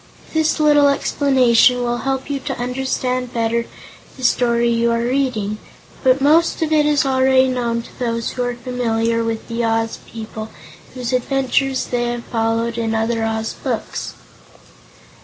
This little explanation will help you to understand better the story you are reaching, but most of it is already known to those who are familiar with the Oz people whose adventures they have followed in other Oz books.